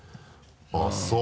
あぁそう？